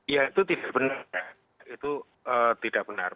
ya itu tidak benar itu tidak benar